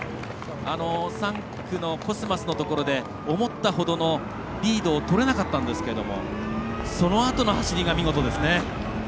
３区のコスマスのところで思ったほどのリードをとれなかったんですけどもそのあとの走りが見事ですね。